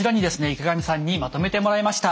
池上さんにまとめてもらいました。